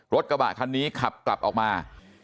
รถกระบะคันนี้ขับกลับออกมา